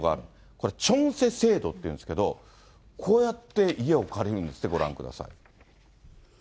これ、チョンセ制度っていうんですけど、こうやって家を借りるんです、ご覧ください。